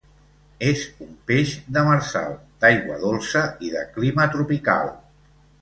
És un peix demersal, d'aigua dolça i de clima tropical.